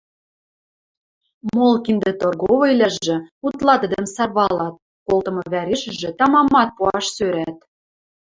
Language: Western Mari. Мол киндӹ торговойвлӓжӹ утла тӹдӹм сарвалат, колтымы вӓрешӹжӹ тамамат пуаш сӧрат.